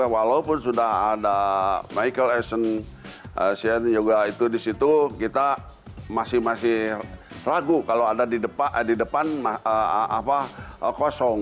walaupun sudah ada michael ashen juga itu disitu kita masih masih ragu kalau ada di depan kosong